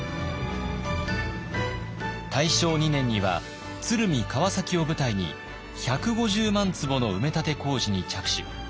大正２年には鶴見川崎を舞台に１５０万坪の埋め立て工事に着手。